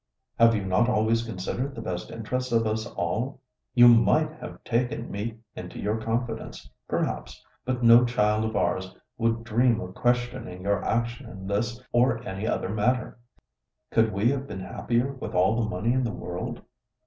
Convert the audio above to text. Have you not always considered the best interests of us all? You might have taken me into your confidence, perhaps, but no child of ours would dream of questioning your action in this or any other matter. Could we have been happier with all the money in the world?"